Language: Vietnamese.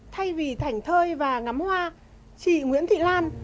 thay vì thảnh thơi và ngắm hoa chị nguyễn thị lan